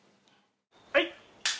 はい！